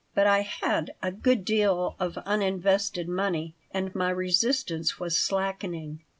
But I had a good deal of uninvested money and my resistance was slackening.